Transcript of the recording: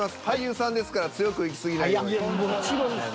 俳優さんですから強くいき過ぎないように。